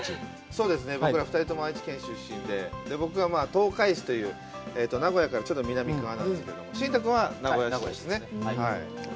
そうですね、僕ら２人とも愛知県出身で、僕は東海市という名古屋からちょっと南側なんですけど、真太君は名古屋市ですね。